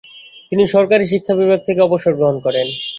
তিনি সরকারী শিক্ষা-বিভাগ থেকে অবসর-গ্ৰহণ করেন।